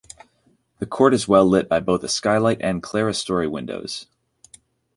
The court is well lit by both a skylight and clerestory windows.